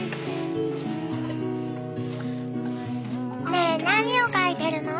ねえ何を描いてるの？